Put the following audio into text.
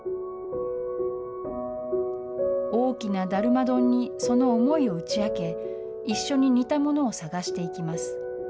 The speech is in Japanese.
大きなだるまどんにその思いを打ち明け、一緒に似たものを探していきます。